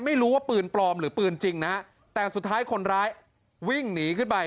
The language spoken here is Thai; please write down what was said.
ไม่รู้ว่าปืนปลอมหรือปืนจริงนะฮะแต่สุดท้ายคนร้ายวิ่งหนีขึ้นไป